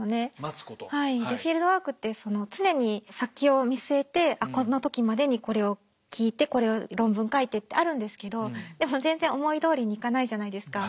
はいフィールドワークって常に先を見据えてこの時までにこれを聞いてこれを論文書いてってあるんですけどでも全然思いどおりにいかないじゃないですか。